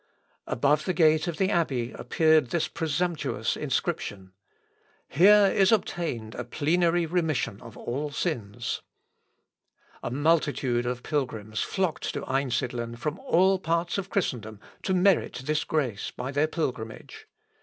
Above the gate of the Abbey appeared this presumptuous inscription: "Here is obtained a plenary remission of all sins." A multitude of pilgrims flocked to Einsidlen from all parts of Christendom, to merit this grace by their pilgrimage.